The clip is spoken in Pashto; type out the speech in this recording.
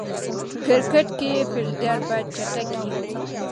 کرکټ کښي فېلډر باید چټک يي.